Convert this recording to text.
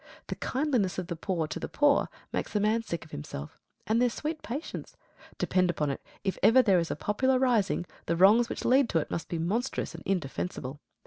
The kindliness of the poor to the poor makes a man sick of himself. And their sweet patience! Depend upon it, if ever there is a popular rising, the wrongs which lead to it must be monstrous and indefensible.